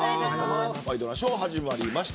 ワイドナショー始まりました。